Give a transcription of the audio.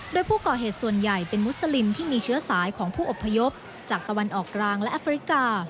โดยผู้ก่อเหตุส่วนใหญ่เป็นมุสลิมที่มีเชื้อสายของผู้อบพยพจากตะวันออกกลางและแอฟริกา